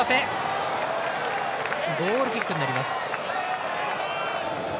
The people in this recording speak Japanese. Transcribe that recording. ゴールキックになります。